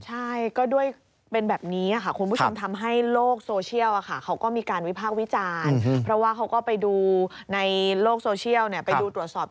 ใช่ก็ด้วยเป็นแบบนี้ค่ะคุณผู้ชม